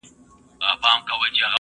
نرم برس د سخت برس څخه خوندي دی.